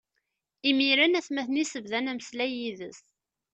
Imiren atmaten-is bdan ameslay yid-s.